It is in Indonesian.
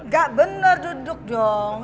gak bener duduk dong